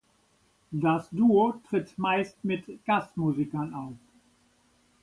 Das Duo tritt meist mit Gastmusikern auf.